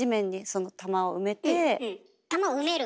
玉を埋める？